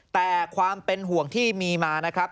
แต่ความเป็นห่วงที่มีมานะครับ